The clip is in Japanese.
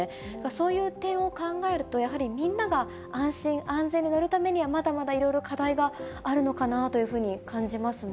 そういう点を考えると、やはりみんなが安心・安全に乗るためには、まだまだいろいろ課題があるのかなというふうに感じますね。